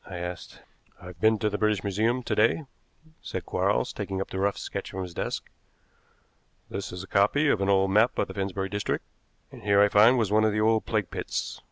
I asked. "I've been to the British Museum to day," said Quarles, taking up the rough sketch from his desk. "This is a copy of an old map of the Finsbury district, and here I find was one of the old plague pits.